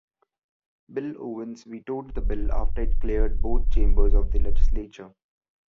Bill Owens vetoed the bill after it cleared both chambers of the legislature.